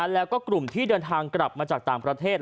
แล้วก็กลุ่มที่เดินทางกลับมาจากต่างประเทศ